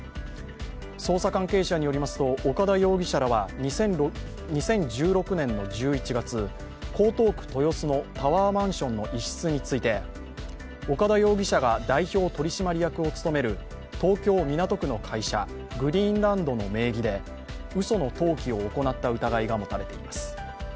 捜査関係者によりますと、岡田容疑者らは２０１６年の１１月江東区豊洲のタワーマンションの１室について岡田容疑者が代表取締役を務める東京・港区の会社、グリーンランドの名義でうその登記を行った疑いが持たれています。